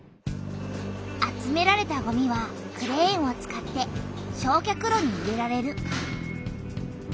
集められたごみはクレーンを使って焼却炉に入れられる。